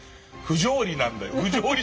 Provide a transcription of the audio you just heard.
不条理なんだよと。